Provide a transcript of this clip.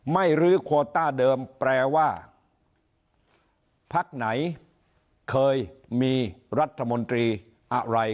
รื้อโคต้าเดิมแปลว่าพักไหนเคยมีรัฐมนตรีอะไร